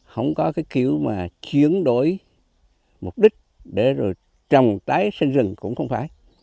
không có cái kiểu mà chiến đối mục đích để rồi trồng tái sinh rừng cũng không phải